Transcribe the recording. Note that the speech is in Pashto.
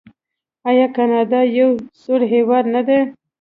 آیا کاناډا یو سوړ هیواد نه دی؟